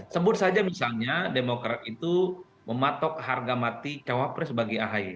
sebut saja misalnya demokrat itu mematok harga mati cawapres bagi ahy